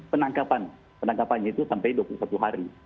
penangkapan penangkapannya itu sampai dua puluh satu hari